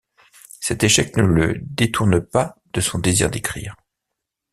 Cet échec ne le détourne pas de son désir d'écrire.